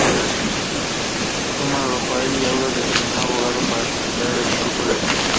Suman a Rafael Heredia, audaz y determinado abogado, para completar el equipo de defensa.